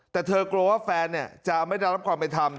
แต่เธอกลัวว่าแฟนเนี่ยจะไม่ได้รับความไปทำ